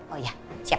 oh ya siap